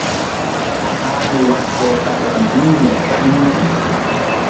Ko haani watte kaden junŋo e ɗuuɗi.